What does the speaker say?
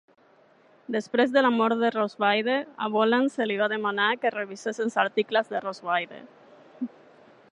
Després de la mort de Rosweyde, a Bolland se li va demanar que revisés els articles de Rosweyde.